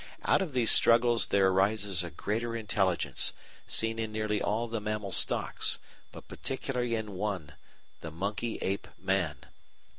Out of these struggles there rises a greater intelligence, seen in nearly all of the mammal stocks, but particularly in one, the monkey ape man.